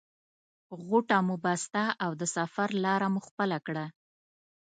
غوټه مو بسته او د سفر لاره مو خپله کړه.